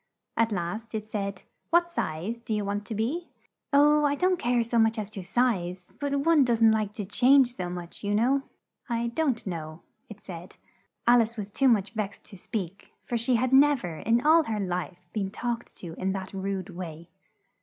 At last it said, "What size do you want to be?" "Oh, I don't care so much as to size, but one does'nt like to change so much, you know." "I don't know," it said. Al ice was too much vexed to speak, for she had nev er, in all her life, been talked to in that rude way.